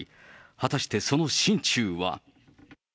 果たしてその心中は。